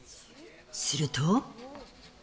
すると。